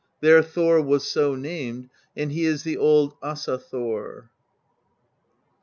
There Thor was so named, and he is the old Asa Thor.